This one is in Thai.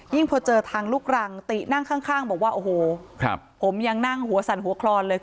พอเจอทางลูกรังตินั่งข้างบอกว่าโอ้โหผมยังนั่งหัวสั่นหัวคลอนเลย